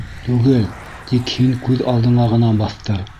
— Түгел, тик һин күҙ алдыңа ғына баҫтыр.